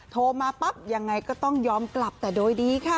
โทรมาปั๊บยังไงก็ต้องยอมกลับแต่โดยดีค่ะ